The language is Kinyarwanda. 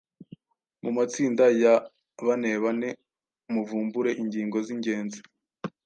Mu matsinda ya banebane muvumbure ingingo z’ingenzi